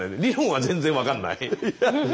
理論は全然分かんない。